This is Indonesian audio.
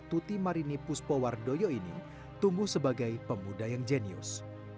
tuti marini puspowardoyo ini tumbuh sebagai pemuda yang jenius